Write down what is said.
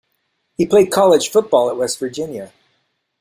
He played college football at West Virginia.